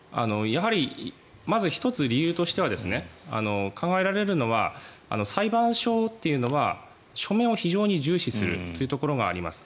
やはりまず１つ、理由としては考えられるのは裁判所というのは署名を非常に重視するというところがあります。